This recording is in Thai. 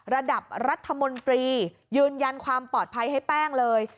ระดับรัฐมนตรียืนยันความปลอดภัยให้แป้งเลย